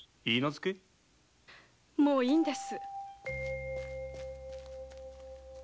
もういいんです。